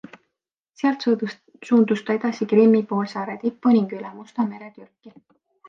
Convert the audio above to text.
Sealt suundus ta edasi Krimmi poolsaare tippu ning üle Musta mere Türki.